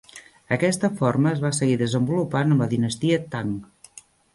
Aquesta forma es va seguir desenvolupant amb la dinastia Tang.